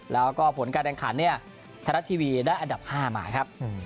แล้วก็ผลการแข่งขันเนี่ยไทยรัฐทีวีได้อันดับ๕มาครับ